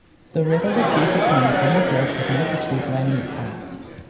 The river received its name from the groves of maple trees lining its banks.